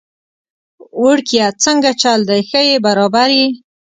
وړکیه څنګه چل دی، ښه يي برابر يي؟